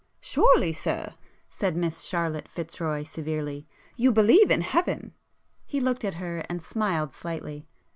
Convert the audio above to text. "Surely sir," said Miss Charlotte Fitzroy severely—"you believe in Heaven?" He looked at her and smiled slightly.